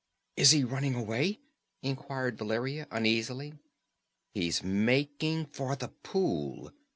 "Is he running away?" inquired Valeria uneasily. "He's making for the pool!"